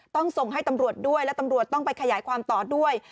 ต้องส่งให้ตำรวจด้วยและตำรวจต้องไปขยายความต่อด้วย